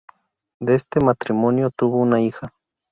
De este matrimonio tuvo una hija.